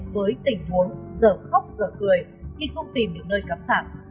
với tình buồn giở khóc giở cười khi không tìm được nơi cấm xạc